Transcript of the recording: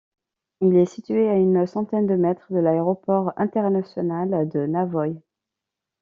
Il est situé à une centaine de mètres de l'aéroport international de Navoï.